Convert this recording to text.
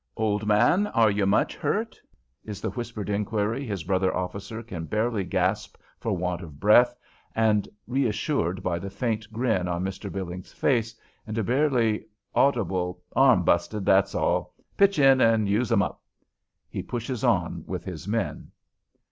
"Old man, are you much hurt?" is the whispered inquiry his brother officer can barely gasp for want of breath, and, reassured by the faint grin on Mr. Billings's face, and a barely audible "Arm busted, that's all; pitch in and use them up," he pushes on with his men.